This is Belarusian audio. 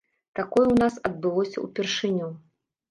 Такое ў нас адбылося ўпершыню.